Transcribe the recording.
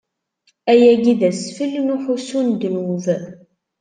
Ayagi d asfel n uḥussu n ddnub.